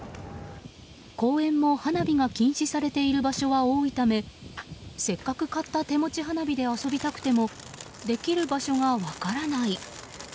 公園も花火が禁止されている場所は多いためせっかく買った手持ち花火で遊びたくてもできる場所が分からない。